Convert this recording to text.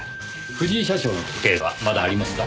藤井社長の時計はまだありますか？